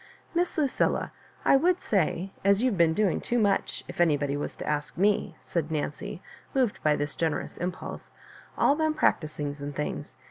" Miss Lucilla, I would say, as you've been doing too much, if anybody was to ask me/* said Nancy, moved by this generous impulse, " all them practisings and things.